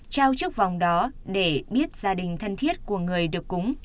trao trước vòng đó để biết gia đình thân thiết của người được cúng